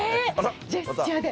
ジェスチャーで。